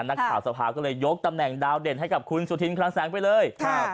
นักข่าวสภาก็เลยยกตำแหน่งดาวเด่นให้กับคุณสุธินคลังแสงไปเลยครับ